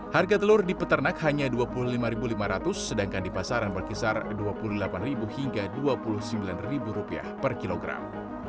harga telur di peternak hanya rp dua puluh lima lima ratus sedangkan di pasaran berkisar rp dua puluh delapan hingga rp dua puluh sembilan per kilogram